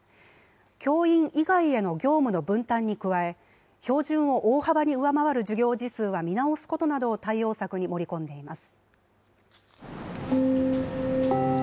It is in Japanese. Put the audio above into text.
教員以外への業務の分担に加え、標準を大幅に上回る授業時数は見直すことなどを対応策に盛り込んでいます。